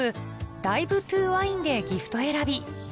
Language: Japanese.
「ＤｉｖｅＴｏＷｉｎｅ」でギフト選び